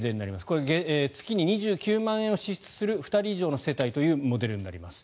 これは月に２９万円を支出する２人以上の世帯というモデルになります。